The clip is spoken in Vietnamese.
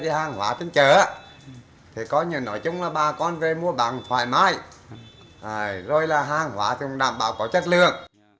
thứ hai là hàng hóa trên chợ thì có nhiều nói chung là bà con về mua bằng thoải mái rồi là hàng hóa thì đảm bảo có chất lượng